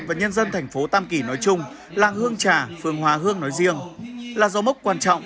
và nhân dân thành phố tam kỳ nói chung làng hương trà phương hóa hương nói riêng là dấu mốc quan trọng